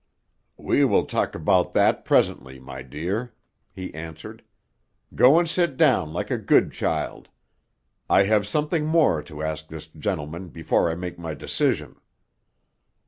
"We will talk about that presently, my dear," he answered. "Go and sit down like a good child. I have something more to ask this gentleman before I make my decision."